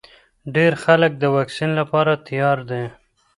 ډېر خلک د واکسین لپاره تیار دي.